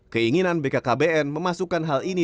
keinginan bkkbn memasukkan hal ini